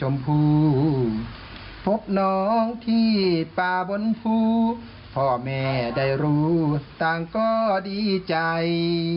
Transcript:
แม่ได้รู้ต่างก็ดีใจ